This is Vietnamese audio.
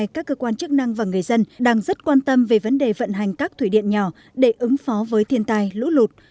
các cơ quan chức năng và người dân đang rất quan tâm về vấn đề vận hành các thủy điện nhỏ để ứng phó với thiên tai lũ lụt